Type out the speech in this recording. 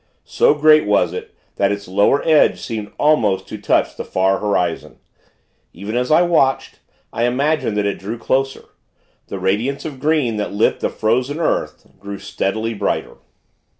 So great was it, that its lower edge seemed almost to touch the far horizon. Even as I watched, I imagined that it drew closer. The radiance of green that lit the frozen earth, grew steadily brighter.